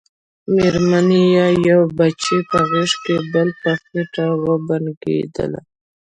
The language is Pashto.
مېرمن يې يو بچی په غېږ کې بل په خېټه وبنګېدله.